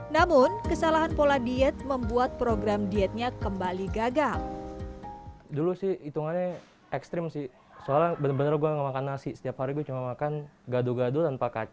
namun kesalahan pola diet membuat program dietnya kembali gagal